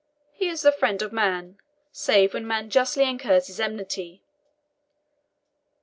He is the friend of man, save when man justly incurs his enmity.